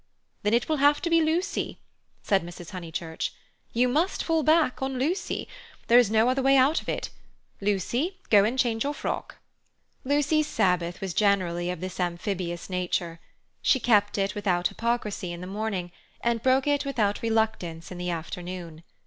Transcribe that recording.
"Then it will have to be Lucy," said Mrs. Honeychurch; "you must fall back on Lucy. There is no other way out of it. Lucy, go and change your frock." Lucy's Sabbath was generally of this amphibious nature. She kept it without hypocrisy in the morning, and broke it without reluctance in the afternoon.